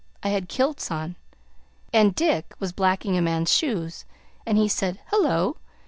I had kilts on. And Dick was blacking a man's shoes, and he said 'Hello!'